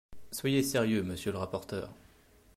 Soyez sérieux, monsieur le rapporteur